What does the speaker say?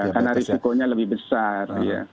karena risikonya lebih besar